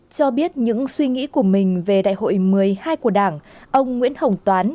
cho biết những suy nghĩ của mình về đại hội một mươi hai của đảng ông nguyễn hồng toán